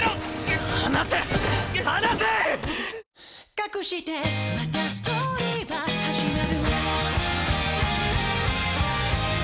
「かくしてまたストーリーは始まる」